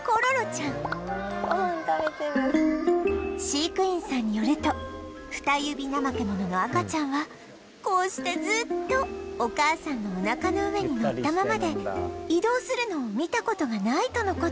飼育員さんによるとフタユビナマケモノの赤ちゃんはこうしてずっとお母さんのおなかの上にのったままで移動するのを見た事がないとの事